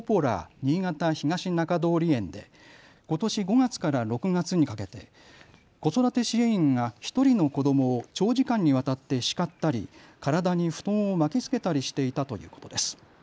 新潟東中通園でことし５月から６月にかけて子育て支援員が１人の子どもを長時間にわたって叱ったり体に布団を巻きつけたりしていたということです。